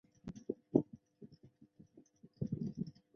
李福仁生于英国伯明翰。